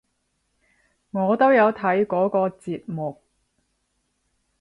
我都有睇嗰個節目！